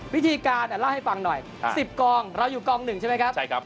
วิธีการเล่าให้ฟังหน่อย๑๐กองเราอยู่กอง๑ใช่ไหมครับ